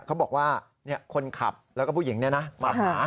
เขาบอกว่าคนขับแล้วก็ผู้หญิงมาหา